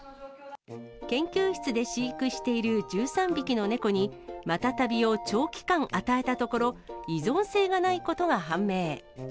研究室で飼育している１３匹の猫に、マタタビを長期間与えたところ、依存性がないことが判明。